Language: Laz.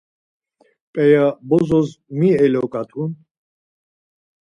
P̌eya bozos mi eloǩatun?